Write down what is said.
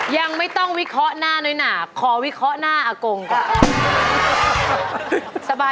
ยังไม่ต้องวิเคราะห์หน้าน้อยหนาขอวิเคราะห์หน้าอากงก่อน